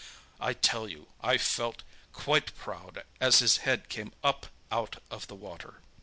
I tell you I felt quite proud as his head came up out of the water.